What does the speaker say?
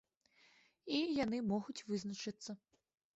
І яны могуць вызначыцца.